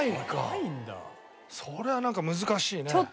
それはなんか難しいね。